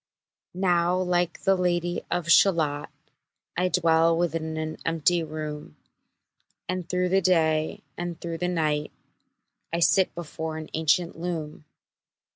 Now like the Lady of Shalott, I dwell within an empty room, And through the day and through the night I sit before an ancient loom.